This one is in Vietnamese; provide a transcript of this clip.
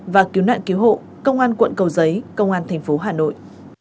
và cứu nạn cứu hộ công an quận cầu giấy công an thành phố hà nội